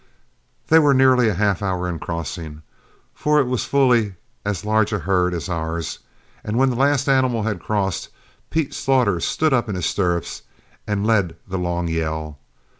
They were nearly a half hour in crossing, for it was fully as large a herd as ours; and when the last animal had crossed, Pete Slaughter stood up in his stirrups and led the long yell.